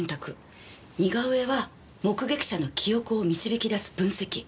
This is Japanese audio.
似顔絵は目撃者の記憶を導き出す分析。